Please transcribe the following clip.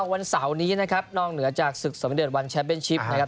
วันเสาร์นี้นะครับนอกเหนือจากศึกสมเด็จวันแชมป์เป็นชิปนะครับ